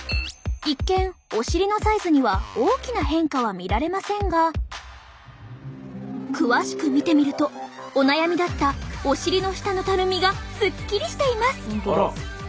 一見お尻のサイズには大きな変化は見られませんが詳しく見てみるとお悩みだったお尻の下のたるみがスッキリしています！